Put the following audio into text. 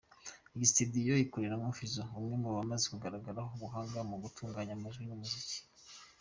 Iyi studio ikoreramo Fazzo, umwe mu bamaze kugaragaraho ubuhanga mu gutunganya amajwi y’umuziki.